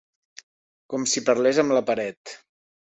Com si parlés amb la paret.